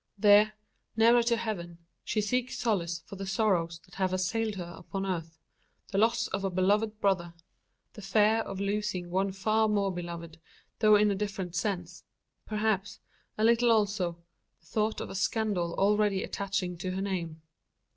There, nearer to Heaven, she seeks solace for the sorrows that have assailed her upon Earth the loss of a beloved brother the fear of losing one far more beloved, though in a different sense perhaps, a little also, the thought of a scandal already attaching to her name.